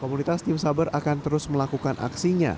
komunitas tim saber akan terus melakukan aksinya